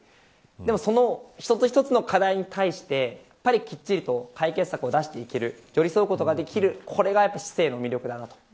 その一つ一つの課題に対してきっちりと解決策を出していって寄り添うことができるのが市政の魅力だなと思います。